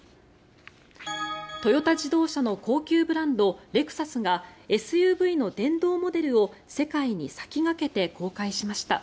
トヨタ自動車の高級ブランドレクサスがＳＵＶの電動モデルを世界に先駆けて公開しました。